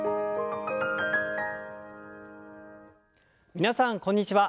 皆さんこんにちは。